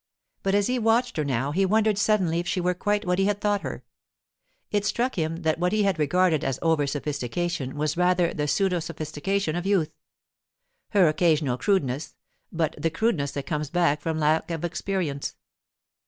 But as he watched her now he wondered suddenly if she were quite what he had thought her. It struck him that what he had regarded as over sophistication was rather the pseudo sophistication of youth; her occasional crudeness, but the crudeness that comes from lack of experience.